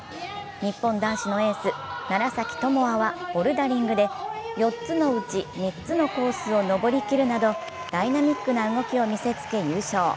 日本男子のエース、楢崎智亜はボルダリングで４つのうち３つのコースを登りきるなどダイナミックな動きを見せつけ優勝。